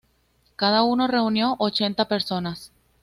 Cada uno reunió ochenta personas.